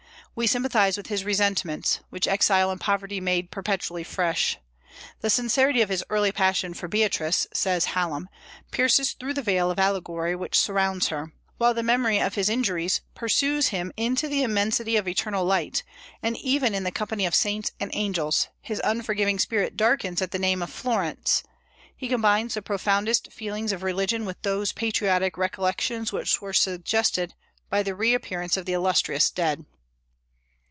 We sympathize with his resentments, "which exile and poverty made perpetually fresh." "The sincerity of his early passion for Beatrice," says Hallam, "pierces through the veil of allegory which surrounds her, while the memory of his injuries pursues him into the immensity of eternal light; and even in the company of saints and angels his unforgiving spirit darkens at the name of Florence.... He combines the profoundest feelings of religion with those patriotic recollections which were suggested by the reappearance of the illustrious dead."